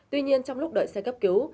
tuy nhiên trong lúc đợi xe cấp cứu